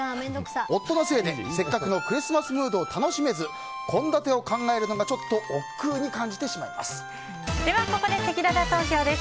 夫のせいでせっかくのクリスマスムードを楽しめず、献立を考えるのがちょっとおっくうに感じてしまいます。